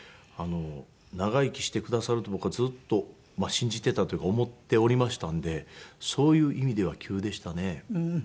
長生きしてくださると僕はずっと信じていたというか思っておりましたのでそういう意味では急でしたね。